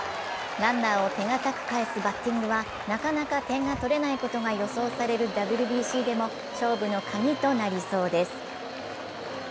ランナーを手堅く返すバッティングはなかなか点が取れないことが予想されるＷＢＣでも勝負のカギとなりそうです。